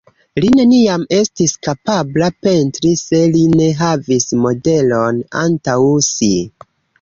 Li neniam estis kapabla pentri se li ne havis modelon antaŭ si.